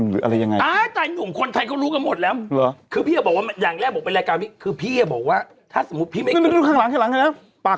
เห็นแล้ว